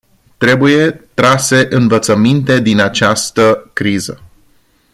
Trebuie trase învățăminte din această criză.